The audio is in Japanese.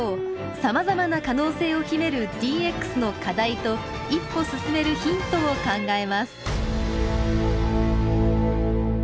さまざまな可能性を秘めるＤＸの課題と一歩進めるヒントを考えます。